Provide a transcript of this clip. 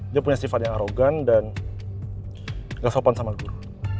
dia punya sifat yang arogan dan kita sopan sama guru